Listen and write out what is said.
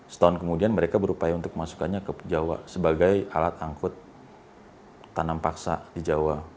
setahun kemudian mereka berupaya untuk masukkannya ke jawa sebagai alat angkut tanam paksa